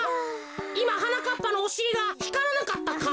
いまはなかっぱのおしりがひからなかったか？